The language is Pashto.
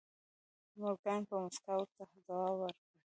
مورګان په موسکا ورته ځواب ورکړ